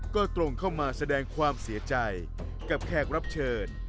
ก็ตรงเข้ามาแสดงความเสียใจกับแขกรับเชิญ